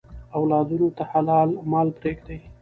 اولادونو ته حلال مال پریږدئ.